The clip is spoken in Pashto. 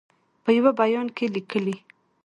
په یوه بیان کې لیکلي